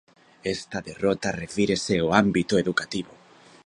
Esta derrota refírese ao ámbito educativo.